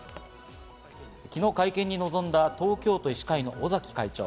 昨日会見に臨んだ東京都医師会の尾崎会長。